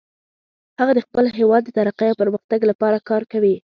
هغه د خپل هیواد د ترقۍ او پرمختګ لپاره کار کوي